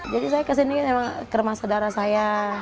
jadi saya kesini memang kermas sedara saya